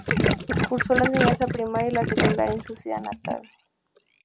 Cursó la enseñanza primaria y la secundaria en su ciudad natal.